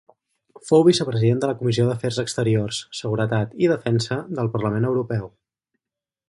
Fou vicepresident de la Comissió d'Afers exteriors, Seguretat i Defensa del Parlament Europeu.